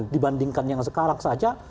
dibandingkan yang sekarang saja